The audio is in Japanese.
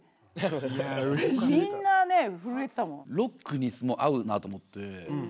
ロックに合うなと思って。